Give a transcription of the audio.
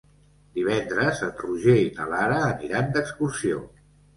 Divendres en Roger i na Lara aniran d'excursió.